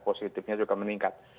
positifnya juga meningkat